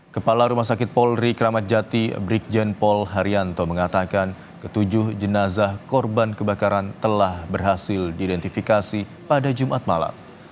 kepala rumah sakit polri kramat jati brikjen paul haryanto mengatakan ketujuh jenazah korban kebakaran telah berhasil diidentifikasi pada jumat malam